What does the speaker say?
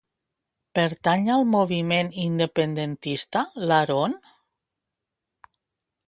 Pertany al moviment independentista l'Arón?